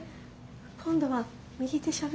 今度は右手しゃぶってる。